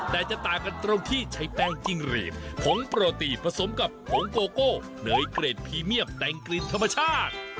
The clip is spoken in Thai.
แต่จะต่างกันตรงที่ใช้แป้งจิ้งหรีดผงโปรตีผสมกับผงโกโก้เนยเกรดพรีเมียมแต่งกลิ่นธรรมชาติ